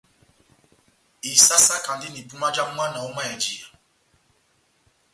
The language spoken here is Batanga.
Isásákandi na ipuma já mwana ó mayèjiya.